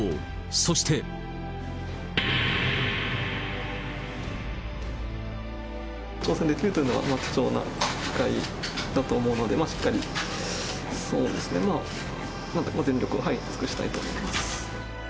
そして。挑戦できるというのは非常に貴重な機会だと思うので、しっかり、そうですね、まあ全力を尽くしたいと思います。